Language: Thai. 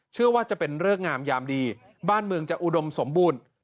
เชื่อว่าจะเป็นเริกงามยามดีบ้านเมืองจะอุดมสมบูรณ์